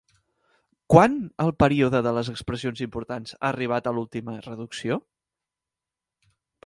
Quan el període de les expressions importants ha arribat a l'última reducció?